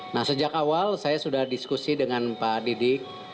nah sejak awal saya sudah diskusi dengan pak didik